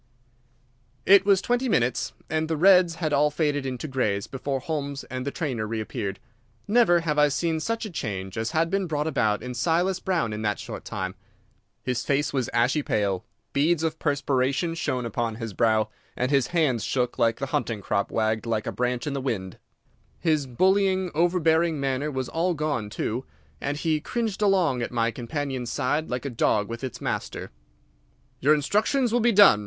It was twenty minutes, and the reds had all faded into greys before Holmes and the trainer reappeared. Never have I seen such a change as had been brought about in Silas Brown in that short time. His face was ashy pale, beads of perspiration shone upon his brow, and his hands shook until the hunting crop wagged like a branch in the wind. His bullying, overbearing manner was all gone too, and he cringed along at my companion's side like a dog with its master. "Your instructions will be done.